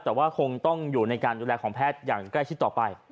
แต่ว่าคงต้องอยู่ในการดูแลของแพทย์อย่างใกล้ชิดต่อไป